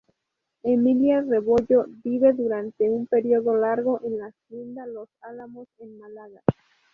Emilia Rebollo vive durante un periodo largo en la Hacienda Los Álamos en Málaga.